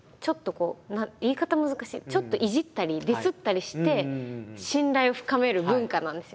ちょっといじったりディスったりして信頼を深める文化なんですよ。